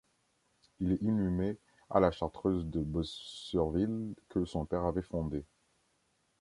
Il est inhumé à la chartreuse de Bosserville que son père avait fondée.